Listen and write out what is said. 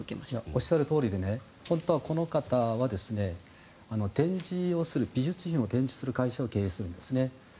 おっしゃるとおりで本当はこの方は美術品を展示する会社を経営しているんですね。